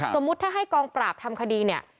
สมมุติถ้าให้กองปราบทำคดีเนี่ย